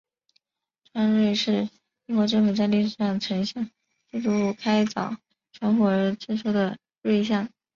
窗税是英国政府在历史上曾向建筑物开凿窗户而征收的税项。